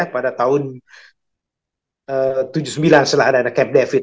pada tahun seribu sembilan ratus tujuh puluh sembilan setelah ada cap david